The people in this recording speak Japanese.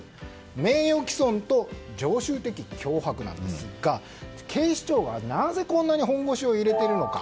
名誉毀損と常習的脅迫なんですが警視庁は、なぜこんなに本腰を入れているのか。